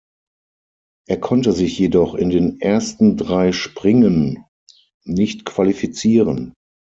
Er konnte sich jedoch in den ersten drei Springen nicht qualifizieren.